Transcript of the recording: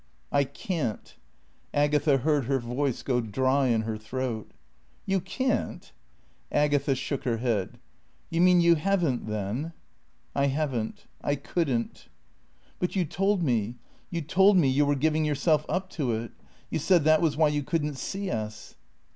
"I can't." Agatha heard her voice go dry in her throat. "You can't?" Agatha shook her head. "You mean you haven't, then?" "I haven't. I couldn't." "But you told me you told me you were giving yourself up to it. You said that was why you couldn't see us."